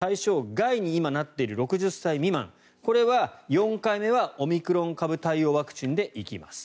そして、従来型の４回目接種の対象外に今なっている６０歳未満これは４回目はオミクロン株対応ワクチンで行きます